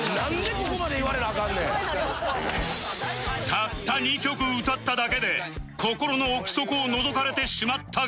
たった２曲歌っただけで心の奥底をのぞかれてしまったが